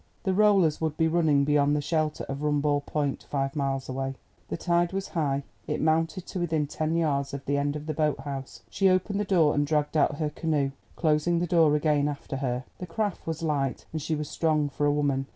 The rollers would be running beyond the shelter of Rumball Point, five miles away. The tide was high; it mounted to within ten yards of the end of the boat house. She opened the door, and dragged out her canoe, closing the door again after her. The craft was light, and she was strong for a woman.